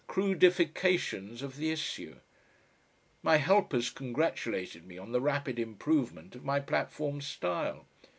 "crudifications" of the issue. My helper's congratulated me on the rapid improvement of my platform style.